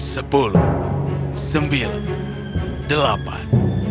sepuluh sembilan delapan